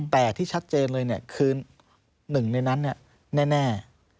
แต่ที่ชัดเจนเลยคือหนึ่งในนั้นแน่